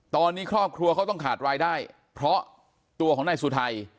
ตอนนี้ครอบครัวเขาต้องขาดรายได้เพราะตัวของนายสุทัย